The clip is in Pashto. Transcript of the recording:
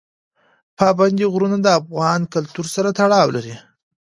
پابندی غرونه د افغان کلتور سره تړاو لري.